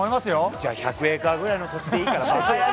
じゃあ１００エーカーぐらいの土地でいいかな。